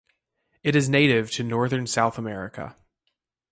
It is native to northern South America.